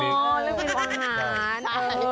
อ๋อเรื่องเรื่องอาหาร